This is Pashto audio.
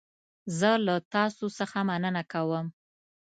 زه له تاسو څخه مننه کوم.